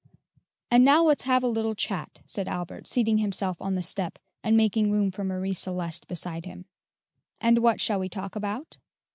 "And now let's have a little chat," said Albert, seating himself on the step, and making room for Marie Celeste beside him. "And what shall we talk about?"